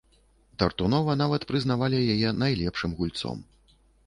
Тартунова нават прызнавалі яе найлепшым гульцом.